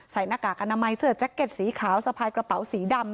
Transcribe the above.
หน้ากากอนามัยเสื้อแจ็คเก็ตสีขาวสะพายกระเป๋าสีดำ